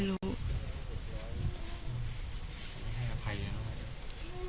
ไม่รู้ไม่รู้